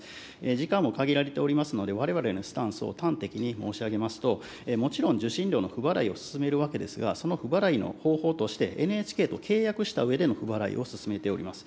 時間も限られておりますので、われわれのスタンスを端的に申し上げますと、もちろん受信料の不払いを勧めるわけですが、その不払いの方法として、ＮＨＫと契約したうえでの不払いを勧めております。